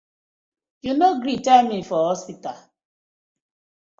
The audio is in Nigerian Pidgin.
Yu been no gree tell me for hospital.